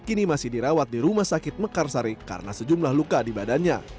kini masih dirawat di rumah sakit mekarsari karena sejumlah luka di badannya